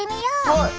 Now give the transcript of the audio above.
はい。